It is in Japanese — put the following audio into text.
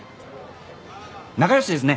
仲良しですね！